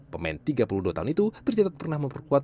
pemain tiga puluh dua tahun itu tercatat pernah memperkuat